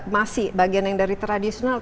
masih bagian yang dari tradisional